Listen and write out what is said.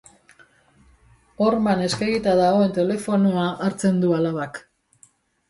Horman eskegita dagoen telefonoa hartzen du alabak.